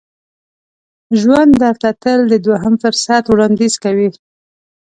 ژوند درته تل د دوهم فرصت وړاندیز کوي.